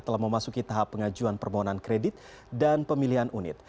telah memasuki tahap pengajuan permohonan kredit dan pemilihan unit